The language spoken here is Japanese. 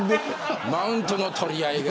マウントの取り合いが。